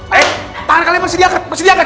baik tangan kalian masih diangkat